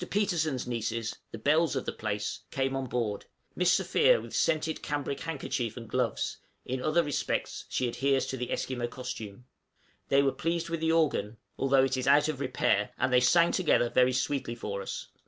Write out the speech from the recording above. Petersen's nieces, the belles of the place, came on board (Miss Sophia with scented cambric handkerchief and gloves in other respects she adheres to the Esquimaux costume); they were pleased with the organ, although it is out of repair, and they sang together very sweetly for us.